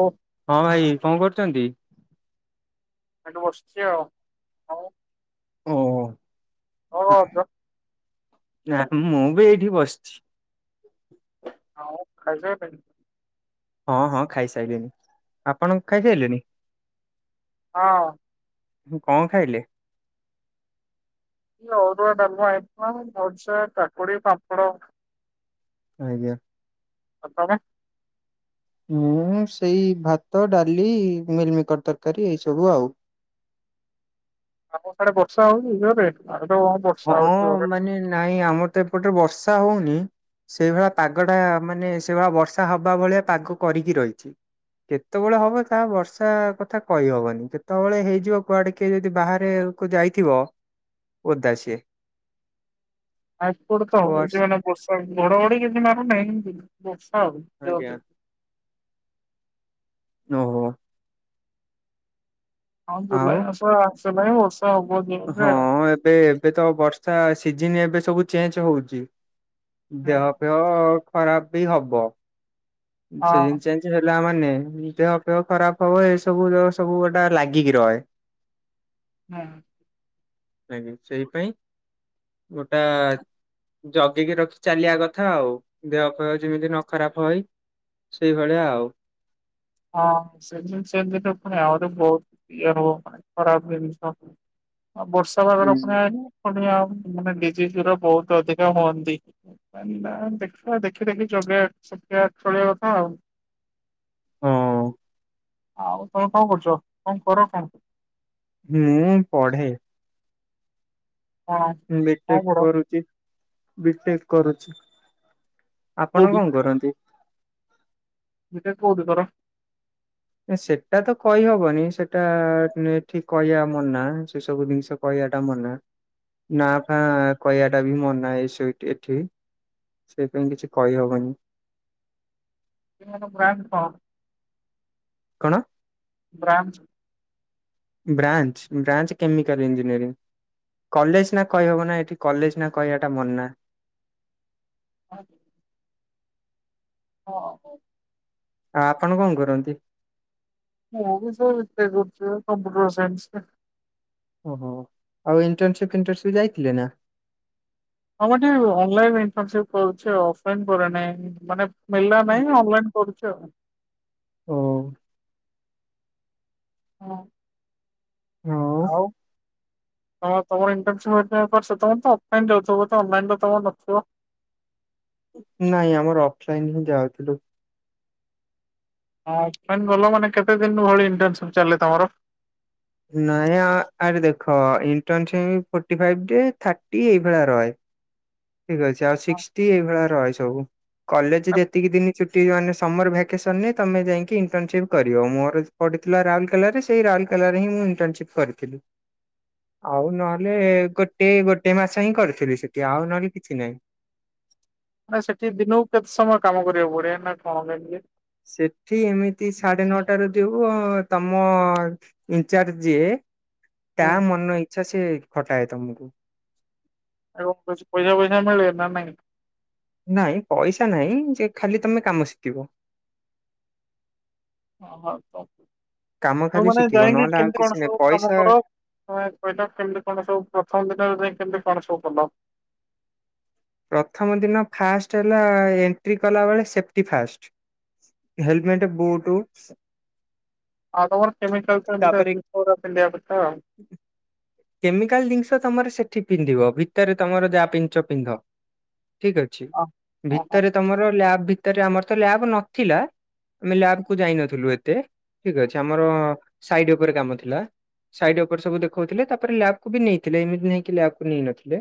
ଓ। ହଁ ଭାଇ କଣ କରୁଛନ୍ତି? ଏଠି ବସିଛି ଆଉ ଆଉ। ଓହୋ। କଣ କରୁଛ? ନା ମୁଁ ବି ଏଇଠି ବସିଛି। ଆଉ ଖାଇ ସାଇଲଣି? ହଁ ହଁ ଖାଇସାଇଲିଣିି। ଆପଣ ଖାଇସାଇଲେଣିି? ହଁ। ହୁଁ କଣ ଖାଇଲେ? ଅରୁଆ ଡାଲମା ହେଇଥିଲା ଭଜା କାକୁଡି ପାମ୍ପଡ। ଆଜ୍ଞା। ଆଉ ତମେ। ମୁଁ ସେଇ ଭାତ ଡାଲି ମିଲମିକର ତରକାରୀ ଏଇ ସବୁ ଆଉ। [inaudible] ଆପଣ ସିଆଡ଼େ ବର୍ଷା ହଉନି ଜୋରେ ଆଉ ହଁ ମାନେ ନାଇଁ ଆମର ତ ଏପଟରେ ବର୍ଷା ହଉନି। ସେଇଭଳିଆ ପାଗଟା ମାନେ ସେଇଭଳିଆ ବର୍ଷା ହବା ଭଳିଆ ପାଗ କରିକି ରହିଛି। କେତେବେଳେ ହବ ତାହା ବର୍ଷା କଥା କହିହବନି କେତେବେଳେ ହେଇଯିବ କୁଆଡେ କିଏ ଯଦି ବାହାରେ ଯାଇଥିବ ଓଦା ସିଏ। ଆପଟେ ତ ହଉଛି ମାନେ ବର୍ଷା ଘଡଘଡି କିଛି ମାରୁନାହିଁ ବର୍ଷା ହଉ। ଆଜ୍ଞା [unintelligible] ଓହୋ। ହ ଆଉ ଜୁଲାଇ ମାସ ଆସିଲାଣି ବ ହଁ ଏବେ ଏବେ ତ ବର୍ଷା ସିଜୀନ ଏବେ ସବୁ ଚେଞ୍ଜ ହଉଛି। ହୁଁ ଦେହ ପେହ ଖରାପ ବି ହବ, ହଁ ସିଜୀନ ଚେଞ୍ଜ ହେଲ ମାନେ ଦେହ ପା ଖରାପ ହବ ଏ ସବୁ ସବୁ ଗୋଟା ଲାଗିକି ରହେ। ହଁ ମେ ବି ସେଇପାଇଁ ଗୋଟା ଜଗିକି ରଖି ଚାଲିବା କଥା ଆଉ ଦେହ ଫେଓ ଜେମିତି ନ ଖରାପ ହଏ। ସେଇଭଳିଆଉ ହଁ [unintelligible] ଅ ବର୍ଷା ବାଗରେ [unintelligible] [unintelligible] ଡିଜି ଜିର ବହୁତ ଅଧିକା ହୁଅନ୍ତି, ପାନା ଦେଖିବା ଦେଖି ଦେଖି ଚ [unintelligible] ଚଳିବା କଥା। ହଁ ଆଉ ତ କଣ କରୁଚ? କଣ କର କଣ? ହୁଁ ମୁଁ ପଢେ। କଣ ବି କଣ ଟେକ୍ ପଢ କରୁଚିି ବି ଟେକ୍ କରୁଛି। ଆପଣ କନ୍ କରନ୍ତି? ବି ଟେକ୍ କଉଠୀ କର? ଆଁ ସେଟା ତ କଇ ହବନି ସେଟାଆ-ଆ-ଆ ଏ ଏଠି କହିବା ମନା ସେ ସବୁ ଜିନିଷ କହି ଏଟା ମନା, ନା ଫାଆଁ କହିବା ଟା ବି ମନା, ଏ ସେଇଟି ଏଠି ସେ ପାଇଁ କିଛି କଇ ହବନି। [unintelligible] କଣ? ବ୍ରାମ [unintelligible] branch branch chemical engineering. College ନା କହିହବନା ଏଠି କଲେଜ ନା କଇବାଟା ମନା। [inaudible] [inaudible] ଆ ଆପଣ କଣ କରନ୍ତି? ମୁଁ ଭାବୁଛି [unintelligible] କମ୍ପ୍ୟୁଟର ସାଇନ୍ସ ଓହୋ ଆଉ ଇଣ୍ଟରନସିପ [unintelligible] ଯାଇଥିଲେ ନା? ଆମ ଅନଲାଇନଇପ କରଛି ଅଫଲାଇନ ପରେ ନାଇ ମାନ [unintelligible] ମିଳିଲା ନାହିଁ ଅନଲାଇନ୍ କରୁଛ ଆଉ। ହ ହଁ। ହଁ। ହଁ ତମର ଇଟର୍ନସିପପଛ ତମେ ତ ଅଫାଇନ ରହୁଛ ହୁଏତ ଅନଲିନି ରେ ତମରତ ନଥିବ ନାଇଁ ଆମର ଅଫଲାଇନ ହିଁ ଯଆ ଥିଲୁ। ହଁ ଅଫଲାଇନୀ ଗଲ ମାନେ କେତେ ଦିନ ଭଳି ଇଣ୍ଟସିପ ଚାଲେ ତମର। ନାଇଁ ଆ ଆରେ ଦେଖ ଇଣ୍ଟଟସି ଫୋର୍ଟ ଥାର୍ଟି ଏଇଭଳିଆ ରହେ। ଠିକ ଅଛି ଆଉ ସିକ୍ସଟି ଏଇଭଳିଆ ରହେ ସବୁ କଲେଜ ଯେତିକି ଦିନି ଛୁଟି ମାନେ ସମର ଭ୍ୟାକେସନ୍ରେ ତୁମେ ଯାଇକି ଇଣ୍ଟର୍ନସିପ୍ କରିବ ମୋର ପଡ଼ିଥିଲା ରାଉରକଲାରେ ସେଇ ରାଉରଲକଲାରେ ହିଁ ମୁଁ ଇଣ୍ଟସିପ୍ କରିଥିଲି। ଆଉ ନହେଲେ ଗୋଟେ ଗୋଟେ ମାସ ହିଁ କରିଥିଲି ସେଠି ଆଉ ନହେଲେ କିଛି ନାହିଁ। ନା ସେଠି ଦିନକୁ କେତେ ସମୟ କାମ କରିବାକୁ ପଡିବ ନା କଣ କେମିତି? ସେଠି ଏମିତି ସାଢେ ନଅଟା ରେ ଯିବୁ ତମ ଇନଚାର୍ଜ ଯିଏ ତା ମନ ଇଚ୍ଛା ସେ ଖଟାଏ ତମକୁ। [unintelligible] ପଇସା ପଇସା ମିଳେ ନା ନାଇଁ। ନାଇଁ ପଇସା ନାଇଁ ଯେ ଖାଲି ତମେ କାମ ଶିକିବ। [unintelligible] ଖାଲି କେମତି ଶିଖିବ ନହେଲେ ଆଉ କିଛି କଣ ନାହିଁ ସବ କାମ ପଇସା କର? ହଏ ଏଇଟା କେମିତି କଣ ସବୁ, ପ୍ରଥମ ଦିନରେ ଯାଇ କେମିତି କଣ ସବୁ କଲ? ପ୍ରଥମ ଦିନ ଫାଷ୍ଟ ହେଲା ଏଣ୍ଟ୍ରି କଲା ବେଳେ, ସେଫ୍ଟି ଫାଷ୍ଟ ହେଲମେଟ, ବୁଟୁ ଅ ତମର [unintelligible] ତାପରେ କେମିକାଲ ଜିନିଷ ତମର ସେଠି ପିନ୍ଧିବ ଭିତରେ ତମର ଯାହା ପିନ୍ଧୁଛ ପିନ୍ଧ। ଠିକ ଅଛି, ଆଉ। ଓହୋ ଭିତରେ ତମର ଲ୍ୟାବ ଭିତରେ ଆମର ତ ଲ୍ୟାବ ନଥିଲା। ଆମେ ଲ୍ୟାବକୁୁ ଯାଇନଥିଲୁ ଏତେ ଠିକ ଅଛି ଆମର ସାଇଡ ଉପରେ କାମ ଥିଲା। ସାଇଡ୍ ଉପରେ ସବୁ ଦେଖଉଥିଲେ ତା ତାପରେ ଲ୍ୟାବକୁ ବି ନେଇଥିଲେ ଏମିତି ନେଇକି ଲବକୁ ନେଇ ନଥିଲେ।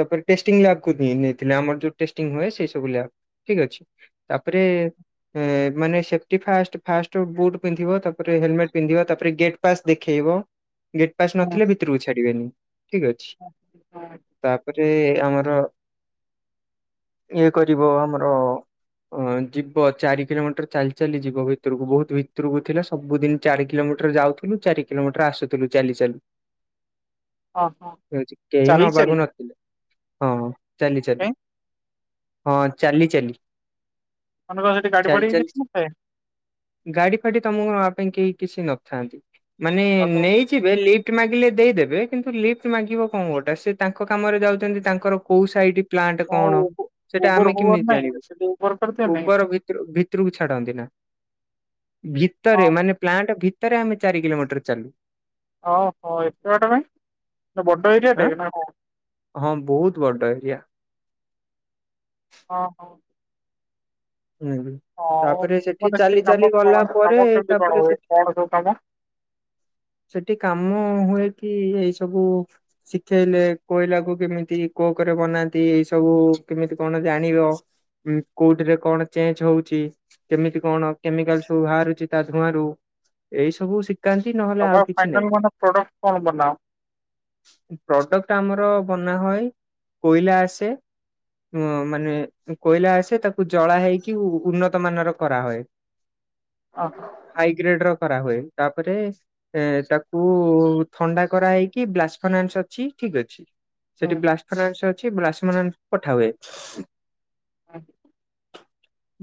ତାପରେ ଟେଷ୍ଟି ଲ୍ୟାବ କୁ ନେଇଥିଲେ ଆମର ଯୋଉ ଟେଷ୍ଟିଙ୍ଗ ହୁଏ ସେ ସବୁ ଲ୍ୟାବ ଠିକ ଅଛି, ତାପରେ ମାନେ ସେଫଟି ଫାଷ୍ଟ ଫାଷ୍ଟ ବୁଟ ପିନ୍ଧିବ ତାପରେ ହେଲମେଟ ପିନ୍ଧିବ ତାପରେ ଗେଟ୍ ପାସ୍ ଦେଖେଇ ବ ଗେଟ ପାସ ନ ଥିଲେ ଭିତରକୁ ଛାଡିବେନି, ଠିକ ଅଛି ତାପରେ ଆମର ଇଏ କରିବ ଆମର ଅ ଯିବ ଚାରି କିଲୋମିଟର ଚାଲି ଚାଲି ଯିବ ଭିତରକୁ ବୋହୁତ ଭିତରକୁ ଥିଲେ ସବୁଦିନ ଚାରି କିଲୋମି ଯାଉଥିଲୁ ଚାରି କିଲୋମିଟର ଆସୁଥିଲୁ ଚାଲି ଚାଲି। ଓହୋ ଛି କେହି ଚାଲି ନବାକୁ ଚାଲି ନଥିଲେ ହଁ ଚାଲି ଚାଲି। କାଇଁ ହଁ ଚାଲି ଚାଲି। ମାନେ କଣ ସେଠି ଗାଡି ଚାଲି ଫାଡି ଚାଲି କିଛି ନଥାଏ? ଗାଡି ଫାଡି ତମକୁ ନବା ପାଇଁ କେହି କିଛି ନଥାନ୍ତି ମାନେ ଆଉ ନେଇଯିବେ ଲି ଲିଫ୍ଟ ମାଗିଲେ ଦେଇଦେବେ, କିନ୍ତୁ ଲିଫ୍ଟ ମାଗିବ କଣ ଗୋଟେ ସେ ତାଙ୍କ କାମରେ ଯାଉଛନ୍ତି ତାଙ୍କର କୋଉ ସାଇଡ ପ୍ଲାଣ୍ଟ ତମ କଣ ସେଟା ଉବର ଆମେ ଫୁବର କେମିତି ନାହିଁ ଜାଣିବୁ ସେଠି ଉବର କରିଦିଅ ଉବର ନାହିଁ? ଭିତରୁ ଭିତରକୁ ଛାଡନ୍ତି ନା। [inaudible] ଭିତରେ ମାନେ ପ୍ଲାଣ୍ଟ ଭିତରେ ଆମେ ଚାରି କିଲୋମିଟର ଚାଲୁ। ଓହୋ ଏତେ ବାଟ କାଇଁ ବଡ ଏରିଆ ଆଁ ଟେ ନା କଣ? ହଁ ବହୁତ ବଡ ଏରିଆ। ହଁ ହଁ। ହୁଁ ହୁଁ। ହଉ ତାପରେ ସେଠି ମାନେ ଚାଲି କାମ ଚାଲି ଗଲା କଣ ପରେ କାମ କେମିତି କଣ ତାପରେ ହୁଏ ସେଠି କଣ ସବୁ କାମ? ସେଠି କାମ ହୁଏ। କି ଏଇ ସବୁ ଶିଖେଇଲେ କୋଇଲା କୁ କେମିତି କୋ କରେ ବନାନ୍ତି ଏଇ ସବୁ କେମିତି କଣ ଜାଣିବ ଉଁ କୋଉଠିରେ କଣ ଚେଞ୍ଜ ହଉଛି କେମିତି କଣ କେମିକାଲ ସବୁ ବାହାରୁଛି ତା ଧୂଆଁ ରୁ ଏଇ ସବୁ ଶିଖ ତମ ଫାଇନାଲ ମନେ ପ୍ରଡକ୍ଟ କଣ ବନାଅ? ପ୍ରଡକ୍ଟ ଆମର ବନା ହଏ କୋଇଲା ଆସେ। ଉ ମାନେ କୋଇଲା ଆସେ ତାକୁ ଜଳା ହେଇକି କିଉନ୍ନତ ମାନର କରା ହୁଏ ଓହୋ ହାଇଗ୍ରେଡ ର। କରା ହୁଏ ତାପରେ ଏ ତାକୁ ଥଣ୍ଡା କରା ହେଇକି ବ୍ଲାସଫନାସ ଅଛି। ଠିକ ଅଛି ହୁଁ ସେଠି ବ୍ଲାସଫରସା ଅଛି ବ୍ଲାସଫରମାନ ପଠା ହୁଏ। ଆ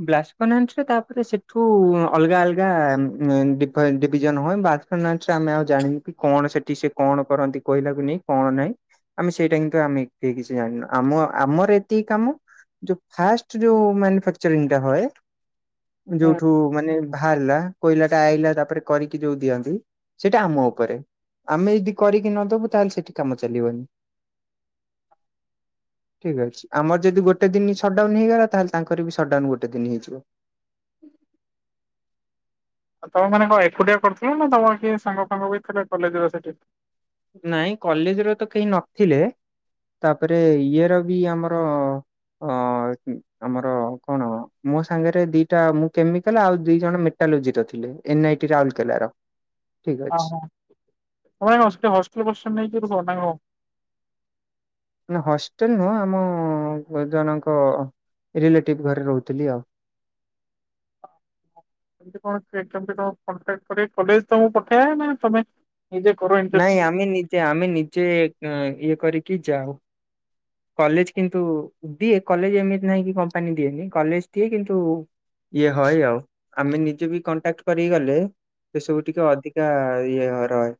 ବ୍ଲାସନାରେ ତାପରେ ସେଠୁ ଅଲଗା ଅଲଗା ଡିଫ ଡିଭିଜନ ହୁଏ। ବା [unintelligible] ଆମେ ଆଉ ଜାଣିନୁ କଣ ସେଠି ସେ କଣ କରନ୍ତି କୁଇଲା କୁ ନେଇି କଣ ନାହିଁ। ଆମେ ସେଇଟା କି ତୁ ଆମେ କିଛି ଜାଣିନୁ ଆମ ଆମର ଏତିକି କାମ ଯଉ ଫାଷ୍ଟ ଯଉ ମ୍ୟାନୁଫକ୍ଚ ଟା ହଏ ହୁଁ ଯୋଉଠୁ ମାନେ ବାହାରିଲା। କୋଇଲା ଟା ଆଇଲା ତାପରେ କରିକି ଯୋଉ ଦିଅନ୍ତି ସେଇଟା ଆମ ଉପରେ। ଆମେ ଯଦି କରିକି ନଦବୁ ତାହେଲେ ସେଠି କାମ ଚାଲିବନି। ଠିକ ଅଛି ଆମର ଯଦି ଗୋଟେ ଦିନ ସଟଡାଉନ ହେଇଗଲା ତାହେଲେ ତାଙ୍କର ବି ସଟ୍ଡାଉନ ଗୋଟେ ଦିନ ହେଇଯିବ। [inaudible] ତମେ ମାନେ କଣ ଏକୁଟିଆ କରୁଥିଲ ନା ତମ କି ସାଙ୍ଗ ଫାଙ୍ଗ ବି ଥିଲେ କଲେଜ ରେ ସେଠି। ନାଇଁ କଲେଜ ରେ ତ କେହି ନଥିଲେ। ତାପରେ ଇଏ ର ବି ଆମର ଅ ଆମର କଣ ମୋ ସାଙ୍ଗରେ ଦିଟା ମୁଁ କେମିକାଲ ଆଉ ଦି ଜଣ ମେଟା ଥିଲେ ଏନ ଆଇଟି ରାଉକେଲାର। ଓ ହୋ ସେ ହଷ୍ଟେ ହଷ୍ଟେଲଫଷ୍ଟେଲ ନେଇକି ରୁହ ନାକ? ନା ହଷ୍ଟେଲ ନୁହଁ ଆମ ଜଣକ ରିଲେଟିଭ ଘରେ ରହୁଥିଲି ଆଉ। କେମତି କଣ କେମତି କଣ୍ଟାକ୍ କରି କଲେଜ ତମକୁ ପଠେଇବା ନା ତମେ ନିଜେ କର ନାଇଁ ଇଣ୍ଟର୍ନସିପ? ଆମେ ନିଜେ ଆମେ ନିଜେ କ ଇଏ କରିକି ଯାଉ। କଲେଜ କିନ୍ତୁ ଦିଏ କଲେଜ ଏମିତି ନାହିଁ କି କମ୍ପାନୀ ଦିଏନି କଲେଜ ଦିଏ କିନ୍ତୁ? ଇଏ ହଏ ଆଉ ଆମେ ନିଜେ ବି କଣ୍ଟାକ୍ଟ କରିକି ଗଲେ ସେସବୁ ଟିକେ ଅଧିକା ଇଏ ହ ରହେ।